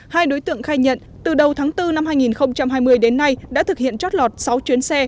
hai đối tượng khai nhận từ đầu tháng bốn năm hai nghìn hai mươi đến nay đã thực hiện trót lọt sáu chuyến xe